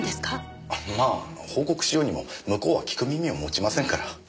まあ報告しようにも向こうは聞く耳を持ちませんから。